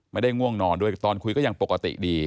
ไม่ได้ง่วงนอนโดยตอนคุยก็ยังปกติดี